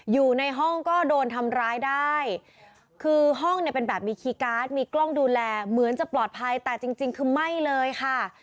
อยู่ในห้องก็โดนทำร้ายได้คือห้องเนี่ยเป็นแบบมีคีย์การ์ดมีกล้องดูแลเหมือนจะปลอดภัยแต่จริงจริงคือไหม้เลยค่ะ